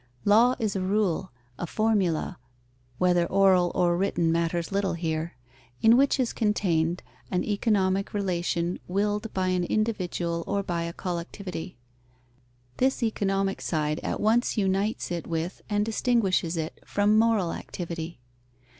Law is a rule, a formula (whether oral or written matters little here) in which is contained an economic relation willed by an individual or by a collectivity. This economic side at once unites it with and distinguishes it from moral activity.